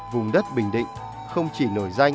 vùng đất bình định không chỉ nổi danh